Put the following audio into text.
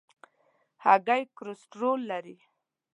هګۍ کولیسټرول لري.